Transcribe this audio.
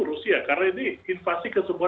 rusia karena ini invasi ke semua